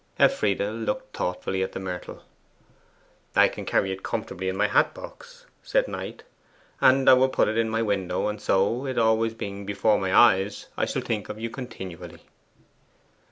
Elfride looked thoughtfully at the myrtle. 'I can carry it comfortably in my hat box,' said Knight. 'And I will put it in my window, and so, it being always before my eyes, I shall think of you continually.